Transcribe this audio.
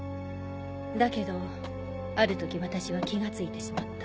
だけどあるとき私は気が付いてしまった。